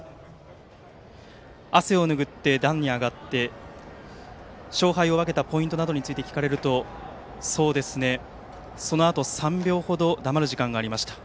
汗をぬぐって壇に上がって勝敗を分けたポイントなどについて聞かれるとそうですねとそのあと３秒程黙る時間がありました。